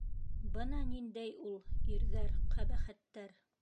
Бына ниндәй ул ирҙәр, ҡәбәхәттәр!